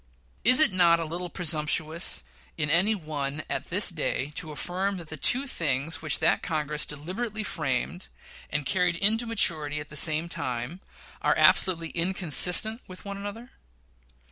Is it not a little presumptuous in any one at this day to affirm that the two things which that Congress deliberately framed, and carried to maturity at the same time, are absolutely inconsistent with each other?